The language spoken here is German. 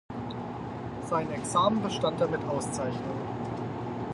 Sein Examen bestand er mit Auszeichnung.